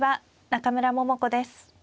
中村桃子です。